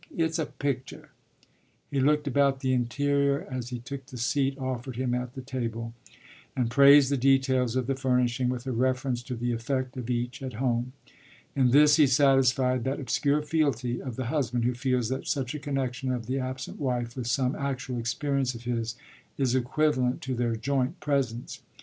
It's a pictur'.” He looked about the interior as he took the seat offered him at the table, and praised the details of the furnishing with a reference to the effect of each at home. In this he satisfied that obscure fealty of the husband who feels that such a connection of the absent wife with some actual experience of his is equivalent to their joint presence.